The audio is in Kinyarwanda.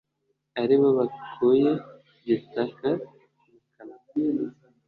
ari bo babakuye igitaka mu kanwa